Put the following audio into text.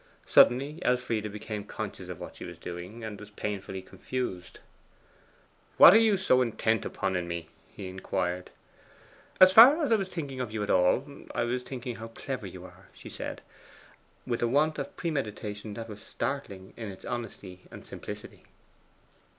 Suddenly Elfride became conscious of what she was doing, and was painfully confused. 'What were you so intent upon in me?' he inquired. 'As far as I was thinking of you at all, I was thinking how clever you are,' she said, with a want of premeditation that was startling in its honesty and simplicity.